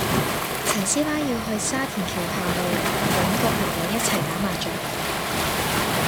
陳師奶要去沙田橋下路搵個朋友一齊打麻雀